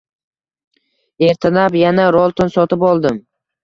Ertalab yana Rolton sotib oldim